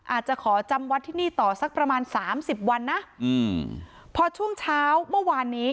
อาจจะขอจำวัดที่นี่ต่อสักประมาณสามสิบวันนะอืมพอช่วงเช้าเมื่อวานนี้